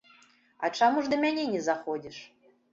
А чаму ж да мяне не заходзіш?